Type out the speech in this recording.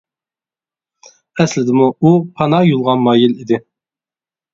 ئەسلىدىمۇ ئۇ پانا يولىغا مايىل ئىدى.